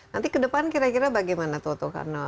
nanti kedepan kira kira bagaimana toto